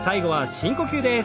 深呼吸です。